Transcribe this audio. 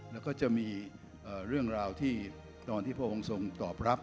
แล้วก็จะมีเรื่องราวที่ตอนที่พระองค์ทรงตอบรับ